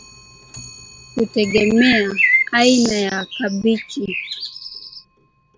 , kutegemea aina ya kabichi.